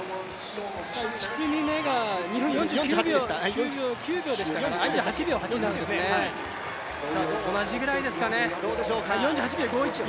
１組目が２分４８秒８でしたから同じぐらいですかね？